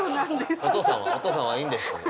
お父さんはお父さんはいいんです。